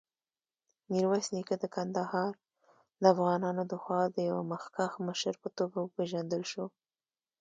میرویس نیکه د کندهار دافغانانودخوا د یوه مخکښ مشر په توګه وپېژندل شو.